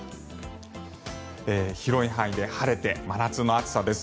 広い範囲で晴れて真夏の暑さです。